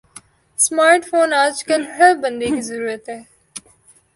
smart phone آج کل ہر بندے کی ضرورت ہے